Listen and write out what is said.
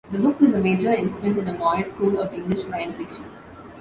The book was a major influence on the noir school of English crime fiction.